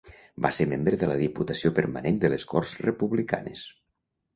Va ser membre de la Diputació Permanent de les Corts republicanes.